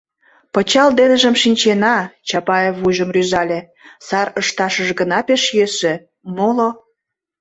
— Пычал деныжым шинчена, — Чапаев вуйжым рӱзале, — сар ышташыже гына пеш йӧсӧ, моло...